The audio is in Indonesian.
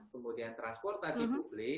kemudian transportasi publik